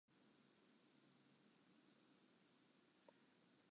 Ik wit noch nea net wat ik oan him haw.